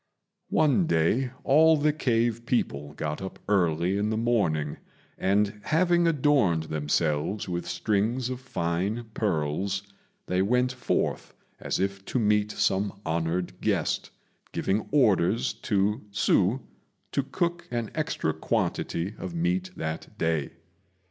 One day all the cave people got up early in the morning, and, having adorned themselves with strings of fine pearls, they went forth as if to meet some honoured guest, giving orders to Hsü to cook an extra quantity of meat that day.